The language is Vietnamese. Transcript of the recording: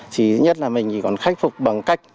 chỉ nhất là mình còn khách phục bằng cách